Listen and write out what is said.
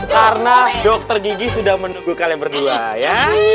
karena dokter gigi sudah menunggu kalian berdua ya